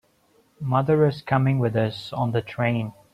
Mother is coming with us on the train.